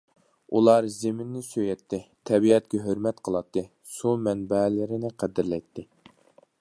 ئۇلار زېمىننى سۆيەتتى، تەبىئەتكە ھۆرمەت قىلاتتى، سۇ مەنبەلىرىنى قەدىرلەيتتى.